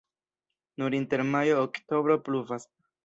Nur inter majo-oktobro pluvas.